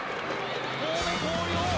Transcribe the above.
神戸弘陵